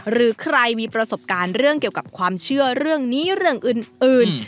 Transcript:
หรือใครมีประสบการณ์เรื่องเกี่ยวกับความเชื่อเรื่องนี้เรื่องอื่น